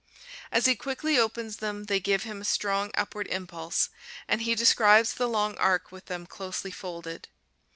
As he quickly opens them, they give him a strong upward impulse, and he describes the long arc with them closely folded.